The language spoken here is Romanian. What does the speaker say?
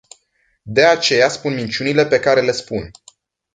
De aceea spun minciunile pe care le spun.